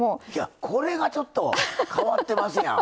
これがちょっと変わってますな！